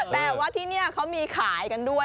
แต่ว่าที่นี่เขามีขายกันด้วย